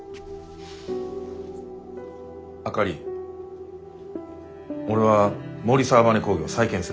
あかり俺は森澤バネ工業を再建する。